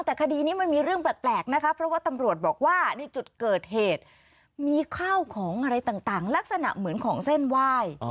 แต่คดีนี้มันมีเรื่องแปลกนะคะเพราะว่าตำรวจบอกว่าในจุดเกิดเหตุมีข้าวของอะไรต่างลักษณะเหมือนของเส้นไหว้